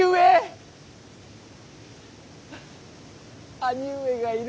兄上がいる。